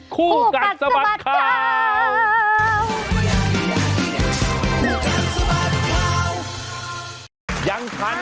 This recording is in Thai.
คู่กัดสะบัดข่าว